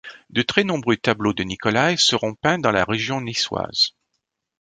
De très nombreux tableaux de Nicolaï seront peints dans la région niçoise.